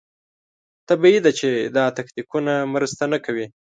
طبیعي ده چې دا تکتیکونه مرسته نه کوي.